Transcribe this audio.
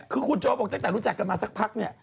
คือคุณโจ๊กบอกตั้งแต่รู้จักกันมาสักพักเนี่ย